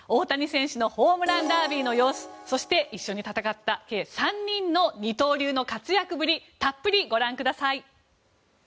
大谷選手のホームランダービーの様子そして一緒に戦った選手たちの活躍をたっぷりご覧ください。